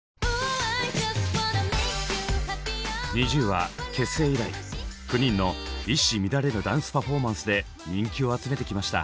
ＮｉｚｉＵは結成以来９人の一糸乱れぬダンスパフォーマンスで人気を集めてきました。